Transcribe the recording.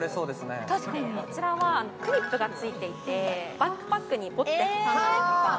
こちらはクリップがついていてバックパックにポッて挟んだりとかあ！